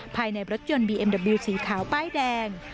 ภายในรถยนต์บีเอ็มเดอร์บิลสีขาวป้ายแดง